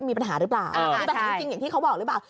มีปัญหาหรือเปล่ามีปัญหาจริงอย่างที่เขาบอกหรือเปล่า